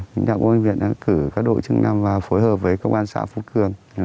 lãnh đạo công an viện đã cử các đội chức năng và phối hợp với công an xã phú cương